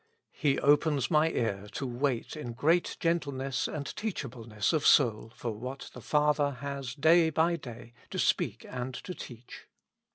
He opens my ear to wait in great gentleness and teachableness of soul for what the Father has day by day to speak and to teach.